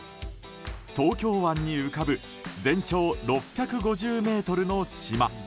東京湾に浮かぶ全長６５０ｍの島。